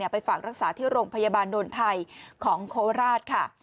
ไปฝากรักษาที่โรงพยาบาลโนนไทยของโคราชค่ะ